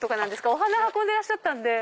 お花運んでらっしゃったので。